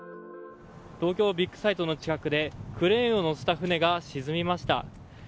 東京ビッグサイトの近くでクレーンを載せた船が沈みました。